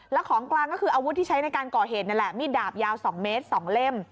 แล้วของกลางก็คืออาวุธที่ใช้ในการก่อเหตุนั่นแหละมีดดาบยาว๒เมตร๒เล่ม